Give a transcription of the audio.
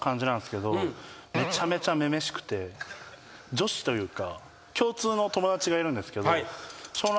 女子というか。